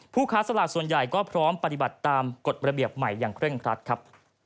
ค้าสลากส่วนใหญ่ก็พร้อมปฏิบัติตามกฎระเบียบใหม่อย่างเคร่งครัดครับ